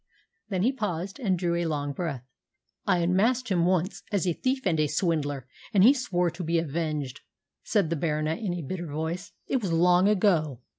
Then he paused, and drew a long breath. "I unmasked him once, as a thief and a swindler, and he swore to be avenged," said the Baronet in a bitter voice. "It was long ago.